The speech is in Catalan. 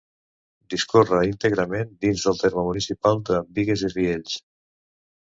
Discorre íntegrament dins del terme municipal de Bigues i Riells.